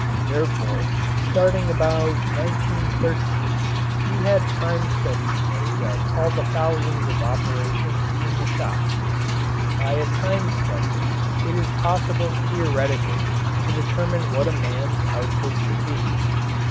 Therefore, starting about 1913 we had time studies made of all the thousands of operations in the shops. By a time study it is possible theoretically to determine what a man's output should be.